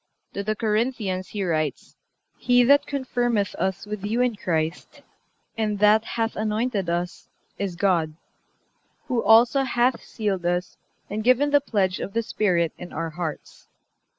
(356) To the Corinthians he writes: "He that confirmeth us with you in Christ, and that hath anointed us, is God; who also hath sealed us and given the pledge of the Spirit in our hearts."